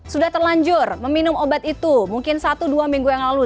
sudah terlanjur meminum obat itu mungkin satu dua minggu yang lalu